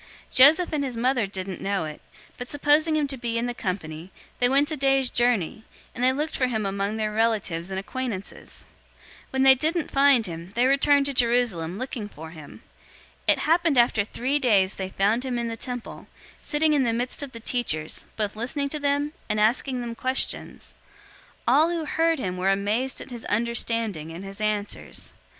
Joseph and his mother didn't know it, 002:044 but supposing him to be in the company, they went a day's journey, and they looked for him among their relatives and acquaintances. 002:045 When they didn't find him, they returned to Jerusalem, looking for him. 002:046 It happened after three days they found him in the temple, sitting in the midst of the teachers, both listening to them, and asking them questions. 002:047 All who heard him were amazed at his understanding and his answers.